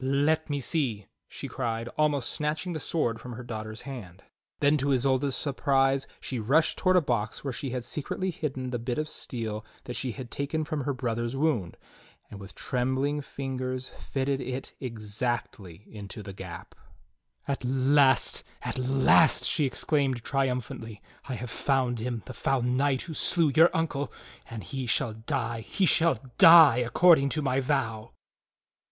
"Let me see," she cried, almost snatching the sword from her daughter's hand. Then to Isolda's surprise she rushed toward a box where she had secretly hidden the bit of steel that she had taken y 72 THE STORY OF KING ARTHUR from her brother's wound, and with trembling fingers fitted it exactly into the gap. "At last, at last!" she exclaimed triumphantly. "I have found him, the foul knight who slew your uncle. And he shall die, he shall die, according to my vow!"